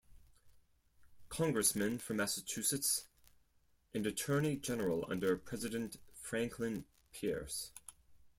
Congressman from Massachusetts and Attorney General under President Franklin Pierce.